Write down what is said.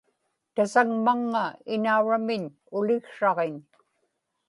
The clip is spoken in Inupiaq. tasagmaŋŋa inauramniñ uliksraġiñ